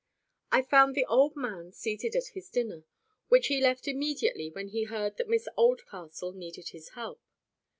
I found the old man seated at his dinner, which he left immediately when he heard that Miss Oldcastle needed his help.